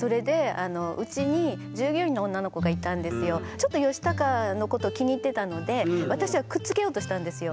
ちょっとヨシタカのこと気に入ってたので私はくっつけようとしたんですよ。